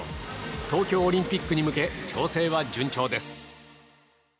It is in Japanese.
東京オリンピックに向け調整は順調です。